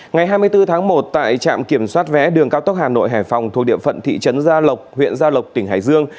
ngày hai mươi bốn tháng một tại trạm kiểm soát vé đường cao tốc hà nội hải phòng thuộc địa phận thị trấn gia lộc huyện gia lộc tỉnh hải dương